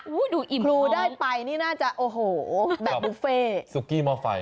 คุณได้ไปน่าจะโอ้โหแบบบุฟเฟต์